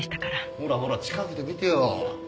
ほらほら近くで見てよ。